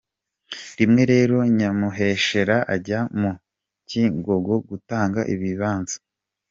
Rimwe rero Nyamuheshera ajya mu Cyingogo gutanga ibibanza.